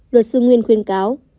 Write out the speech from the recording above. luật sư nguyên khuyên cáo